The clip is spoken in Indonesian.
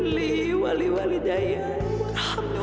saya terlalu berharga